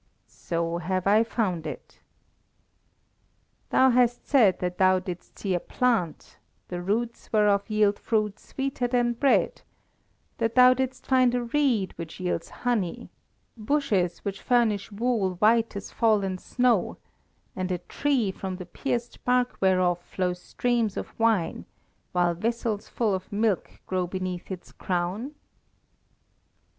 "So have I found it." "Thou hast said that thou didst see a plant, the roots whereof yield fruit sweeter than bread; that thou didst find a reed which yields honey, bushes which furnish wool white as fallen snow, and a tree from the pierced bark whereof flows streams of wine, while vessels full of milk grow beneath its crown?"